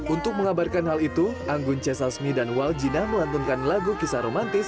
untuk mengabarkan hal itu anggun c sasmi dan waljina melantunkan lagu kisah romantis